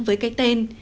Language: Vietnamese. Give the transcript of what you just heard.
với cái tên